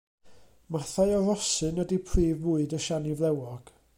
Mathau o rosyn ydy prif fwyd y siani flewog.